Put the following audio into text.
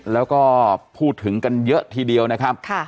แล้วก็พูดถึงกันเยอะทีเดียวนะครับ